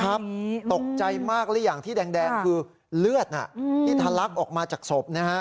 ตกใจมากและอย่างที่แดงคือเลือดที่ทะลักออกมาจากศพนะฮะ